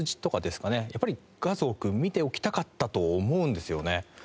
やっぱり数多く見ておきたかったと思うんですよね。